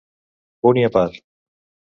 Punt i a part.